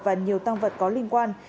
và nhiều tăng vật có liên quan